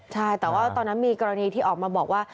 ใช่แต่ว่าตอนนั้นมีกรณีที่ออกมาบอกว่า